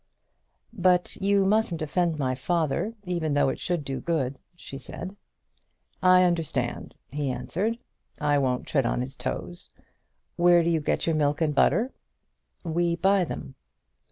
"But you mustn't offend my father, even though it should do good," she said. "I understand," he answered. "I won't tread on his toes. Where do you get your milk and butter?" "We buy them."